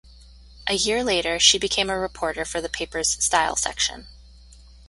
A year later she became a reporter for the paper's "Style" section.